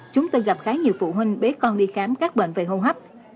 chúng tôi gặp khá nhiều phụ huynh bế con đi khám các bệnh về hô hấp